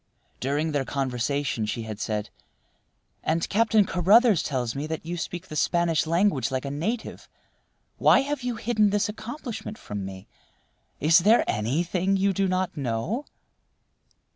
During their conversation she had said: "And Captain Carruthers tells me that you speak the Spanish language like a native. Why have you hidden this accomplishment from me? Is there anything you do not know?"